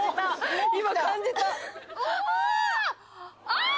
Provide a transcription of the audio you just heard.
あ！